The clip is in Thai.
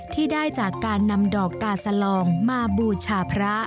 ที่ได้จากการนำดอกกาสลองมาบูชาพระ